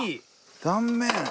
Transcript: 断面。